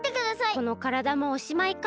このからだもおしまいか。